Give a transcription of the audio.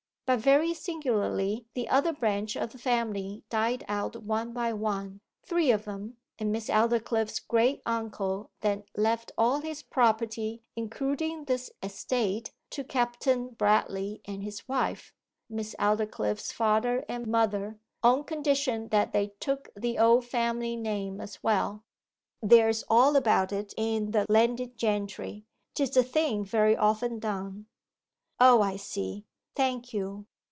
But very singularly the other branch of the family died out one by one three of them, and Miss Aldclyffe's great uncle then left all his property, including this estate, to Captain Bradleigh and his wife Miss Aldclyffe's father and mother on condition that they took the old family name as well. There's all about it in the "Landed Gentry." 'Tis a thing very often done.' 'O, I see. Thank you.